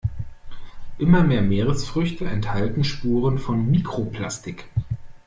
Immer mehr Meeresfrüchte enthalten Spuren von Mikroplastik.